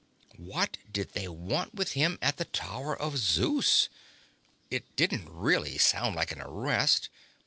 What did they want with him at the Tower of Zeus? It didn't really sound like an arrest.